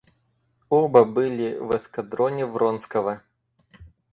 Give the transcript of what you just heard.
Оба были в эскадроне Вронского.